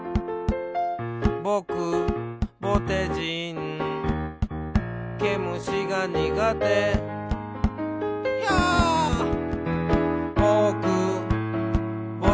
「ぼくぼてじん」「けむしがにがて」「ひゃっ」「ぼくぼてじん」